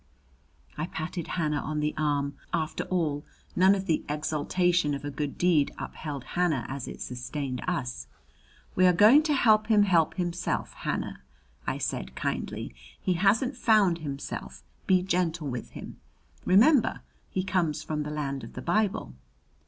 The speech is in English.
I patted Hannah on the arm. After all, none of the exaltation of a good deed upheld Hannah as it sustained us. "We are going to help him help himself, Hannah," I said kindly. "He hasn't found himself. Be gentle with him. Remember he comes from the land of the Bible."